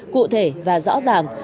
cụ thể và rõ ràng